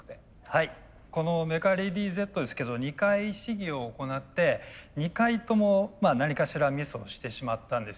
はいこのメカレディーＺですけど２回試技を行って２回とも何かしらミスをしてしまったんですよね。